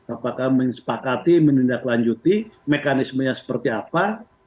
apakah menyepakati menindaklanjuti mekanismenya seperti apa